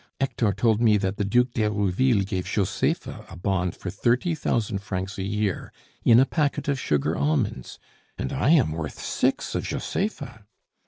Hector told me that the Duc d'Herouville gave Josepha a bond for thirty thousand francs a year in a packet of sugar almonds! And I am worth six of Josepha.